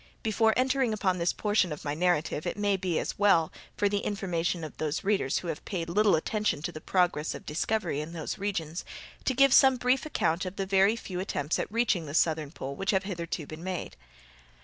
Before entering upon this portion of my narrative, it may be as well, for the information of those readers who have paid little attention to the progress of discovery in these regions, to give some brief account of the very few attempts at reaching the southern pole which have hitherto been made.